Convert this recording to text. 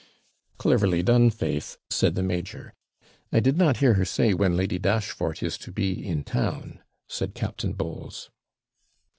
'Cleverly done, faith!' said the major. 'I did not hear her say when Lady Dashfort is to be in town,' said Captain Bowles.